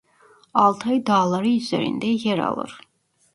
Altay Dağları üzerinde yer alır.